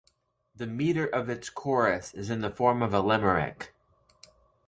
The meter of its chorus is in the form of a Limerick.